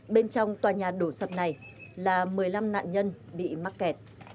bên trong tòa nhà đổ sập này là một mươi năm nạn nhân bị mắc kẹt